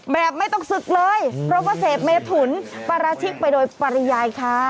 แบบไม่ต้องศึกเลยเพราะว่าเสพเมถุนปราชิกไปโดยปริยายค่ะ